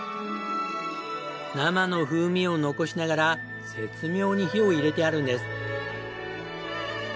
生の風味を残しながら絶妙に火を入れてあるんです。